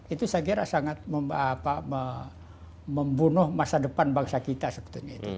itu saya kira sangat membunuh masa depan bangsa kita sebetulnya